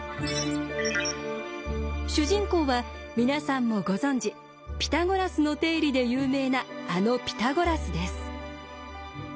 主人公は皆さんもご存じピタゴラスの定理で有名なあのピタゴラスです。